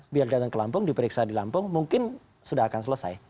biar datang ke lampung diperiksa di lampung mungkin sudah akan selesai